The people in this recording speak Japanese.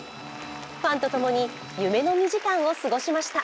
ファンと共に夢の２時間を過ごしました。